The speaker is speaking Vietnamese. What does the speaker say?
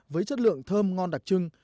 với chất lượng thơm ngon đặc trưng